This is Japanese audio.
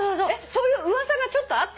そういう噂がちょっとあった？